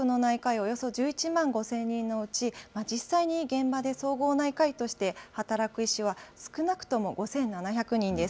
およそ１１万５０００人のうち、実際に現場で総合内科医として働く医師は、少なくとも５７００人です。